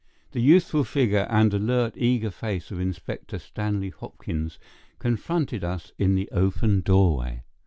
The youthful figure and alert, eager face of Inspector Stanley Hopkins confronted us in the open doorway.